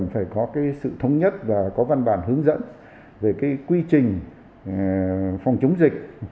phải có sự thống nhất và có văn bản hướng dẫn về quy trình phòng chống dịch